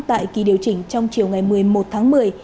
tại kỳ điều chỉnh trong chiều ngày một mươi một tháng một mươi